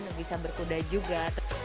dan bisa berkuda juga